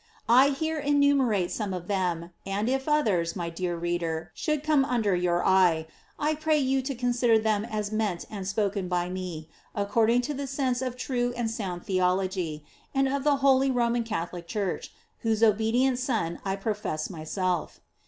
I here enumerate some of them, and if others, my dear reader, should <jome under your eye, I pray you to consider them as meant and spoken by me according to the sense of true and sound theology, and of the holy Roman Catholic Church, whose obedient son I profess myself.